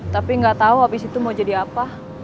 tapi gak tau abis itu mau jadi apa